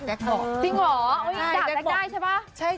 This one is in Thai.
จริงเหรอจากแจ๊กได้ใช่เพราะ